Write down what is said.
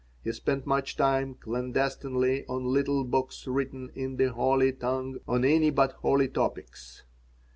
He spent much time, clandestinely, on little books written in the holy tongue on any but holy topics.